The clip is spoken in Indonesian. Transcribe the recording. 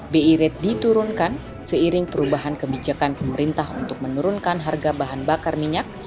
bi rate diturunkan seiring perubahan kebijakan pemerintah untuk menurunkan harga bahan bakar minyak